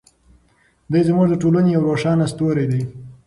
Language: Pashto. دی زموږ د ټولنې یو روښانه ستوری دی.